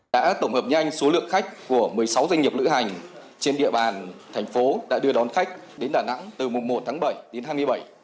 đã tổng hợp nhanh số lượng khách của một mươi sáu doanh nghiệp lữ hành trên địa bàn thành phố đã đưa đón khách đến đà nẵng từ mùa một tháng bảy đến hai mươi bảy